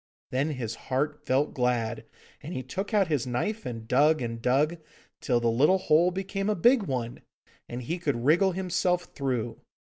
Then his heart felt glad, and he took out his knife and dug and dug, till the little hole became a big one, and he could wriggle himself through.